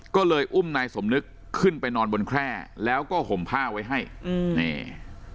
ก็เลยอุ้มนายสมนึกขึ้นไปนอนบนแคร่แล้วก็ห่มผ้าไว้ให้อืมนี่